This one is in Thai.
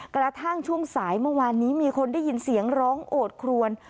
กระทั่งช่วงสายเมื่อวานนี้มีคนได้ยินเสียงร้องโอดครวน